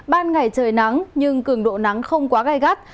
ban ngày trời nắng nhưng cường độ nắng không quá gai gắt